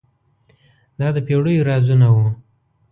دا د پیړیو رازونه وو.